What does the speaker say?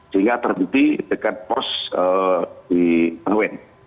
sehingga terhenti dekat pos di halwen